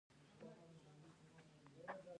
افغانستان د بزګان د پلوه ځانته ځانګړتیا لري.